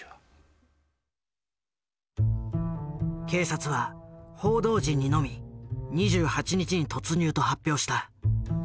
警察は報道陣にのみ２８日に突入と発表した。